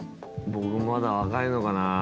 僕まだ若いのかな？